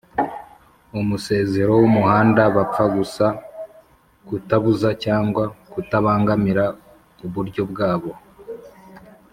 umusezero w umuhanda bapfa gusa kutabuza cyangwa kutabangamira uburyo bwabo